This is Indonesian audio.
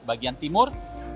di bagian timur